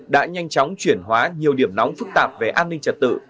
đã nhanh chóng chuyển hóa nhiều điểm nóng phức tạp về an ninh trật tự